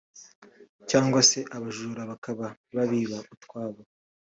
cyangwa se abajura bakaba babiba utwabo